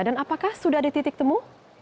dan apakah sudah ada titik temu